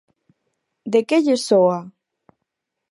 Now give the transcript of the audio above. ¿De que lles soa?